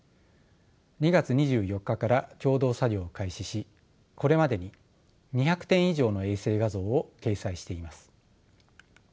２月２４日から共同作業を開始しこれまでに２００点以上の衛星画像を掲載しています。